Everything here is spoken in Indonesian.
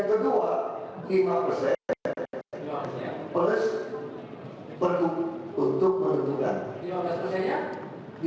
dan itu pertemuan delapan belas maret